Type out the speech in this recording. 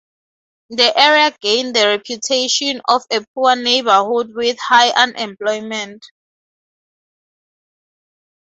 The area gained the reputation of a poor neighborhood with high unemployment.